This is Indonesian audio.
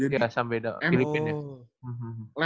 iya sambeda filipin ya